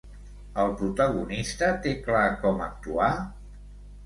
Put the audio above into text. El protagonista té clar com actuar?